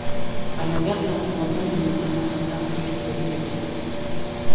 À l'inverse, certaines antennes de musées sont fermées après quelques années d'activités.